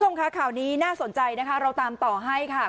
ตรงค้าข่าวนี้น่าสนใจนะคะเราตามต่อให้ค่ะ